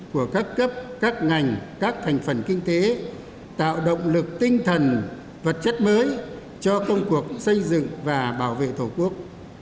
của các cấp các ngành các thành phần kinh tế tạo động lực tinh thần vật chất mới cho công cuộc xây dựng và bảo vệ thổ quốc